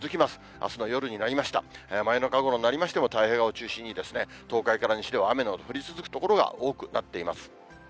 あすの夜になりました、真夜中ごろになりましても、太平洋側を中心に、東海から西では雨の降り続く所が多くなっています。